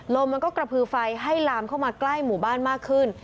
ลมมันก็กระพือไฟให้ลามเข้ามาใกล้หมู่บ้านมากขึ้น